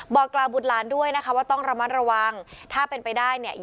บอกกล่าวบุตรหลานด้วยนะคะว่าต้องระมัดระวังถ้าเป็นไปได้เนี่ย